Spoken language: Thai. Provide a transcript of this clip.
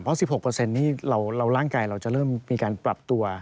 เพราะ๑๖นี่ร่างกายเราจะเริ่มมีการปรับตัว